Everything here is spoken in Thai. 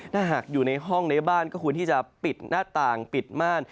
ถ้าหากอยู่ในห้องในบ้านก็ควรที่จะปิดหน้าต่างปิดม่าน